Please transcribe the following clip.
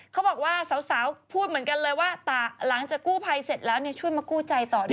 เขาบอกว่าสาวพูดเหมือนกันเลยว่าหลังจากกู้ภัยเสร็จแล้วช่วยมากู้ใจต่อด้วย